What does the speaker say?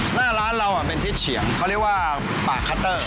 หน้าร้านเราเป็นทิศเฉียงเขาเรียกว่าป่าคัตเตอร์